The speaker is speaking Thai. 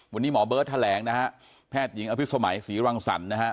วันนี้หมอเบิร์ตแถลงนะฮะแพทย์หญิงอภิษมัยศรีรังสรรค์นะฮะ